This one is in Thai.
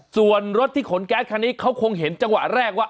ส่วนรถที่ขนแก๊สคันนี้เขาคงเห็นจังหวะแรกว่า